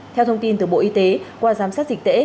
theo thông tin từ bộ y tế qua giám sát dịch tễ